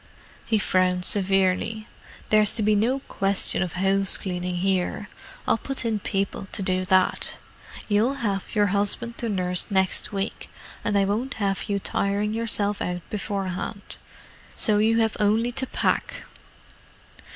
He frowned severely. "There's to be no question of house cleaning here—I'll put in people to do that. You'll have your husband to nurse next week, and I won't have you tiring yourself out beforehand. So you have only to pack."